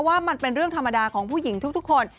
ว่ามันเป็นเรื่องธรรมดาของผู้หญิงทุกคน